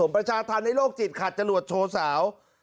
ประชาธิภาพในโลกติดขัดจรวดโชว์เสา